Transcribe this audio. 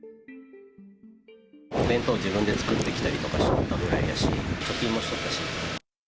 弁当を自分で作ってきたりとかしてたぐらいだし、貯金もしとったし。